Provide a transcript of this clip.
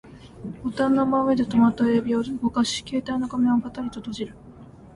ボタンの真上で止まった親指を動かし、携帯の画面をパタリと閉じる